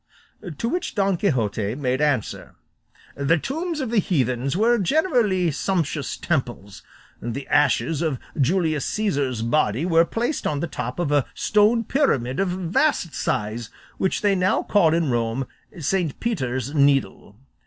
To which Don Quixote made answer: "The tombs of the heathens were generally sumptuous temples; the ashes of Julius Caesar's body were placed on the top of a stone pyramid of vast size, which they now call in Rome Saint Peter's needle.